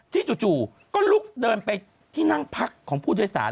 จู่ก็ลุกเดินไปที่นั่งพักของผู้โดยสาร